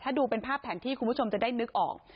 ถ้าดูเป็นภาพแผนที่คุณผู้ชมจะได้นึกออก